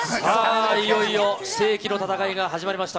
いよいよ世紀の戦いが始まりました。